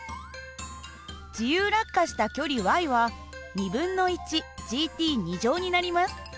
自由落下した距離はｔになります。